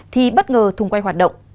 thì bất ngờ thùng quay hoạt động